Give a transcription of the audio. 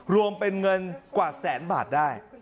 รวมเป็นเงินกว่าแสนบาทได้